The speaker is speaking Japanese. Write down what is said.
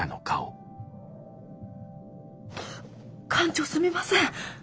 艦長すみません。